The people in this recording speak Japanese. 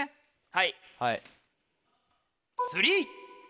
はい。